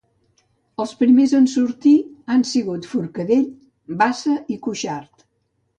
Els primers en sortir han sigut Forcadell, Bassa i Cuixart.